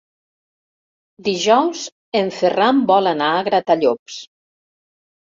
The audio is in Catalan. Dijous en Ferran vol anar a Gratallops.